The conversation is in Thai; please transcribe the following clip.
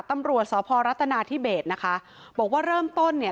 ตำรวจสพรัฐนาธิเบสนะคะบอกว่าเริ่มต้นเนี่ย